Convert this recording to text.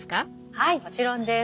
はいもちろんです。